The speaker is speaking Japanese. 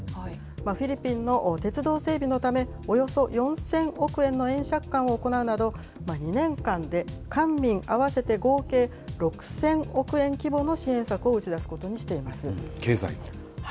フィリピンの鉄道整備のため、およそ４０００億円の円借款を行うなど、２年間で官民合わせて合計６０００億円規模の支援策を打ち出すこ経済も。